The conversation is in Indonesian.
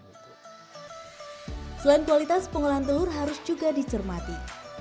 selain kualitas pengolahan telur harus juga dicermati